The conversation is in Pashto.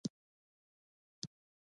هغه په غصه ورته وويل چې دلته څه کوې؟